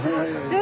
え